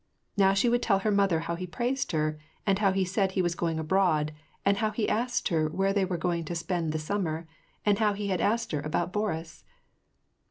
Now she would tell her mother how he praised her,*and how he said he was going abroad, and how he asked her where they were going to spend the summer, and how he had asked her about Boris.